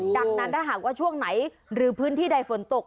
ดังนั้นถ้าหากว่าช่วงไหนหรือพื้นที่ใดฝนตก